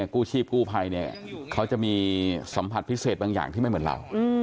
กู้ภัยเขาจะมีสัมพันธ์พิเศษยังที่ไม่เหมือนเรา